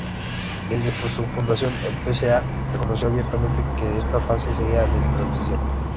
Desde su fundación, el PcA reconoció abiertamente que esta fase sería de transición.